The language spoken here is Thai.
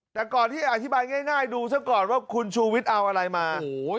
แต่ก่อนที่อธิบายง่ายดูซะก่อนว่าคุณชูวิทย์เอาอะไรมาโอ้โห